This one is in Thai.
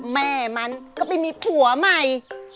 แม่มันก็ไปมีผัวใหม่